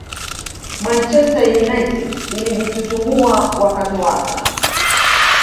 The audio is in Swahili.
Manchester United ilijitutumua wakatoaka